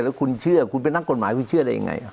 แล้วคุณเชื่อคุณเป็นนักกฎหมายคุณเชื่อได้ยังไง